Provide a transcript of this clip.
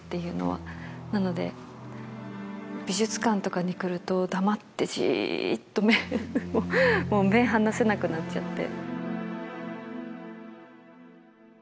なので美術館とかに来ると黙ってじっと目離せなくなっちゃって。